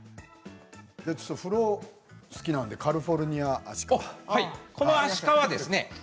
風呂が好きなのでカリフォルニアアシカ。